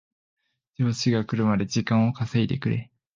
上司が来るまで時間を稼いでくれ